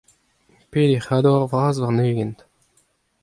peder c'hador vras warn-ugent.